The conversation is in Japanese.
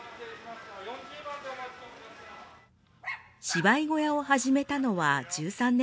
芝居小屋を始めたのは１３年前。